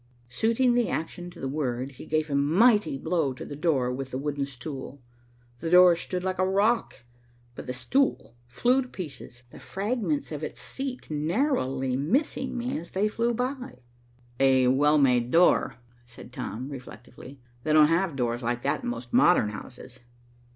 Suiting the action to the word, he gave a mighty blow to the door with the wooden stool. The door stood like a rock, but the stool flew to pieces, the fragments of its seat narrowly missing me as they flew by. "A well made door," said Tom reflectively. "They don't have doors like that in most modern houses."